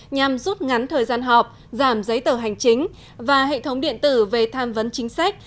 nhằm rút ngắn thời gian họp giảm giấy tờ hành chính và hệ thống điện tử về tham vấn chính sách